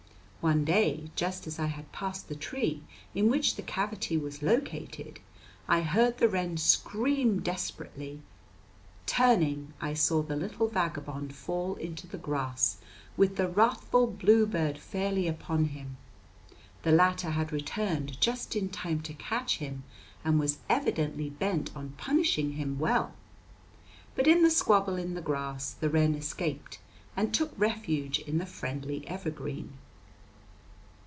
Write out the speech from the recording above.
One day, just as I had passed the tree in which the cavity was located, I heard the wren scream desperately; turning, I saw the little vagabond fall into the grass with the wrathful bluebird fairly upon him; the latter had returned just in time to catch him, and was evidently bent on punishing him well. But in the squabble in the grass the wren escaped and took refuge in the friendly evergreen.